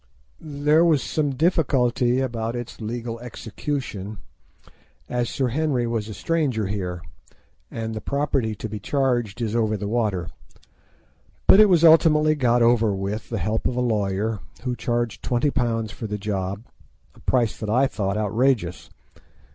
There was some difficulty about its legal execution, as Sir Henry was a stranger here, and the property to be charged is over the water; but it was ultimately got over with the help of a lawyer, who charged £20 for the job—a price that I thought outrageous.